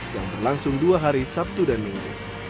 yang berlangsung dua hari sabtu dan minggu